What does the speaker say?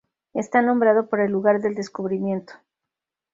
Está nombrado por el lugar del descubrimiento.